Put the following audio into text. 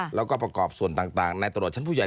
แล้วก็ประกอบส่วนต่างในตรวจชั้นผู้ใหญ่